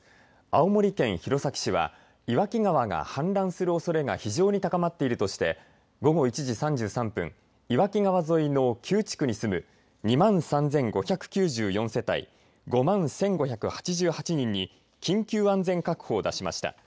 青森県弘前市は岩木川が氾濫するおそれが非常に高まっているとして午後１時３３分、岩木川沿いの９地区に住む２万３５９４世帯５万１５８８人に緊急安全確保を出しました。